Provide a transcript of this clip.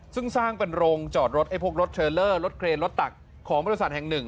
ซึ่งสร้างเป็นโรงจอดรถไอ้พวกรถเทรลเลอร์รถเครนรถตักของบริษัทแห่งหนึ่ง